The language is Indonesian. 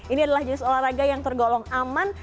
ini adalah jenis olahraga yang tergolong aman